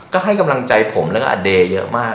ก็ให้กำลังใจผมแล้วก็อเดย์เยอะมาก